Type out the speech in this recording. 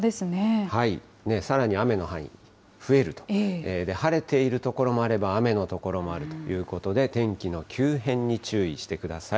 さらに雨の範囲、増えると、晴れている所もあれば、雨の所もあるということで、天気の急変に注意してください。